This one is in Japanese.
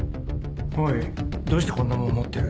おいどうしてこんなもん持ってる？